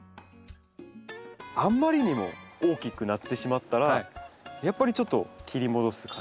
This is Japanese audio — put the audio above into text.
あんまりにも大きくなってしまったらやっぱりちょっと切り戻す感じ？